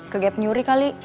ke gap nyuri kali